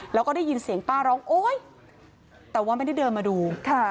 แล้วก็ได้ยินเสียงป้าร้องโอ๊ยแต่ว่าไม่ได้เดินมาดูค่ะ